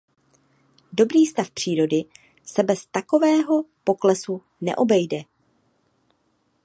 Dobrý stav přírody se bez takového poklesu neobejde.